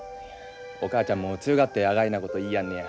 お母ちゃんも強がってあがいなこと言いやんねや。